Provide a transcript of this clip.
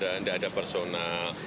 tidak tidak ada personal